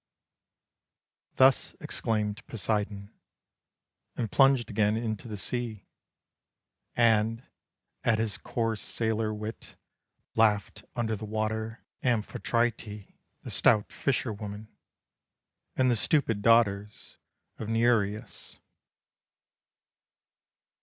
Thus exclaimed Poseidon, And plunged again into the sea. And, at his coarse sailor wit, Laughed under the water Amphitrite, the stout fishwoman, And the stupid daughters of Nereus.